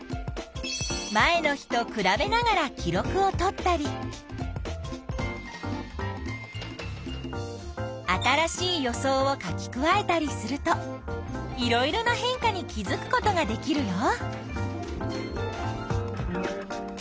前の日とくらべながら記録をとったり新しい予想を書き加えたりするといろいろな変化に気づくことができるよ。